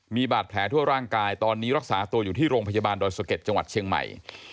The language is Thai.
มีบาดแผลทั่วร่างกายตอนนี้รักษาตัวอยู่ที่โรงพยาบาลดอยสะเก็ดจังหวัดเชียงใหม่